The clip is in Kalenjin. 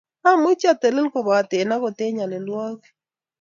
Amuchi atelel kopoten akot eng nyalilwogik